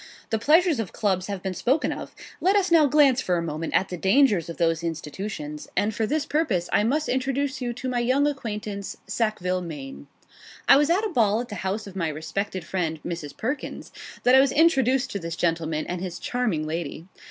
The pleasures of Clubs have been spoken of: let us now glance for a moment at the dangers of those institutions, and for this purpose I must introduce you to my young acquaintance, Sackville Maine. It was at a ball at the house of my respected friend, Mrs. Perkins, that I was introduced to this gentleman and his charming lady.